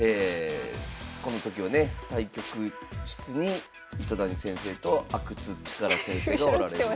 この時はね対局室に糸谷先生と阿久津主税先生がおられる。